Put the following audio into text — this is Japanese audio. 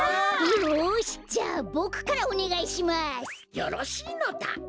よしじゃあボクからおねがいします！よろしいのだ！